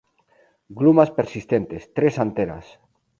Glumas persistentes; tres anteras.